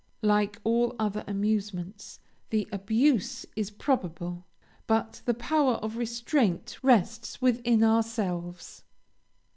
Like all other amusements, the abuse is probable, but the power of restraint rests within ourselves.